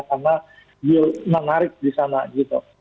karena yield menarik di sana gitu